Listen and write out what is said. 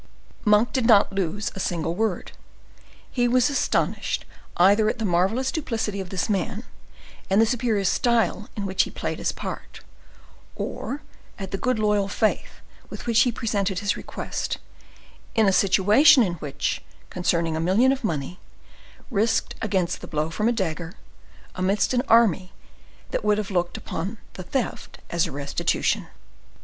'" Monk did not lose a single word. He was astonished either at the marvelous duplicity of this man and the superior style in which he played his part, or at the good loyal faith with which he presented his request, in a situation in which concerning a million of money, risked against the blow from a dagger, amidst an army that would have looked upon the theft as a restitution.